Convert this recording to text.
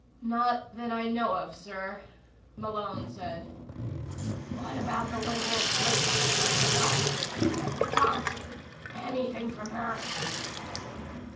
"Not that I know of, sir," Malone said. "What about the little old lady what's her name? Thompson. Anything from her?"